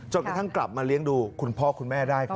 กระทั่งกลับมาเลี้ยงดูคุณพ่อคุณแม่ได้ครับ